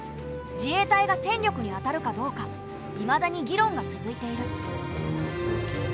自衛隊が戦力にあたるかどうかいまだに議論が続いている。